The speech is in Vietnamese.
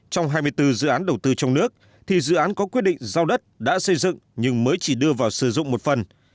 trong hai mươi bốn dự án đầu tư trong nước thì dự án có quyết định giao đất đã xây dựng nhưng mới chỉ đưa vào sử dụng một phần